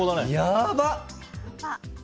やばっ！